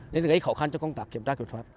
nên gây khó khăn cho công tác kiểm tra kiểm soát